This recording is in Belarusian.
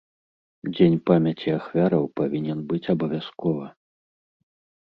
Дзень памяці ахвяраў павінен быць абавязкова.